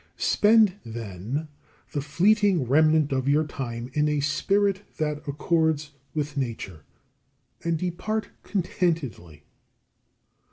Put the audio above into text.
Spend, then, the fleeting remnant of your time in a spirit that accords with Nature, and depart contentedly.